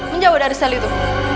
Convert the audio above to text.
menjauh dari sel itu